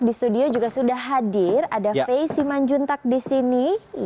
di studio juga sudah hadir ada fay simanjuntak di sini